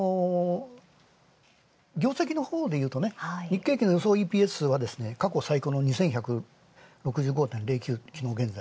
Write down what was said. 業績のほうでいうと、予想ＥＰＳ過去最高の２１６５．０９で、昨日現在。